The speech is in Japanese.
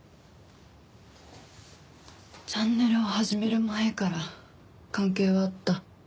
チャンネルを始める前から関係はあった。